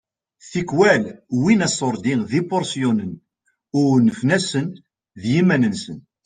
Tikwal wwin aṣurdi d ipuṛsyunen u unfen-asen d yiman-nsen.